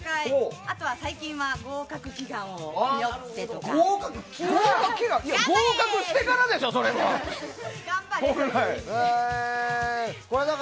あとは最近は合格祈願を祈ってとか。